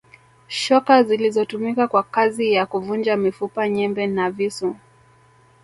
Shoka zilizotumika kwa kazi ya kuvunja mifupa nyembe na visu